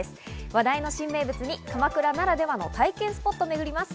話題の新名物に鎌倉ならではの体験スポットをめぐります。